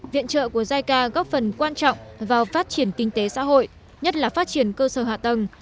viện trợ của jica góp phần quan trọng vào phát triển kinh tế xã hội nhất là phát triển cơ sở hạ tầng